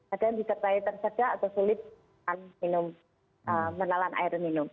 ada yang dicertai tersedak atau sulit menalan air minum